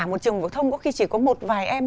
một trường phổ thông có khi chỉ có một vài em